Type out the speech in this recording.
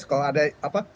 kalau ada apa